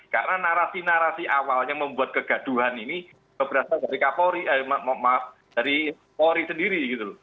karena narasi narasi awalnya membuat kegaduhan ini berasal dari kapolri dari polri sendiri